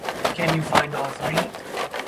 Can you find all three?